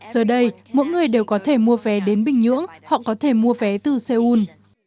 giờ đây mỗi người đều có thể mua vé đến bình nhưỡng họ có thể mua vé từ seoul